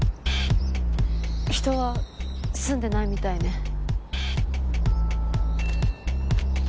人は住んでないみたいね。